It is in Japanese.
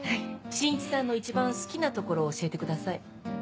晋一さんの一番好きなところを教えてください。